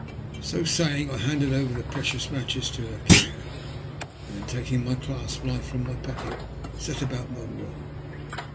So saying, I handed over the precious matches to her care ; and then, taking my clasp knife from my pocket, set about my work.